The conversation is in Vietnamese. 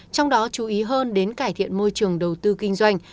trong đó chú ý hơn đến cải thiện môi trường đầu tư kinh doanh